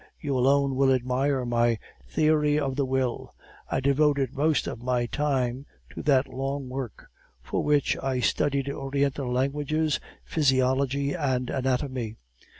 You alone will admire my 'Theory of the Will.' I devoted most of my time to that long work, for which I studied Oriental languages, physiology and anatomy.